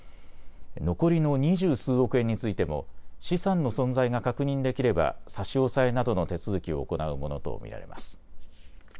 残りの二十数億円についても資産の存在が確認できれば差押えなどの手続きを行うものと見られます。